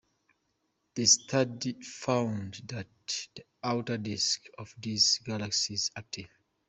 The study found that the outer disk of this galaxy is active.